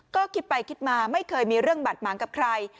ก็คิดไปคิดมาไม่เคยมีเรื่องบาดหมางกับใคร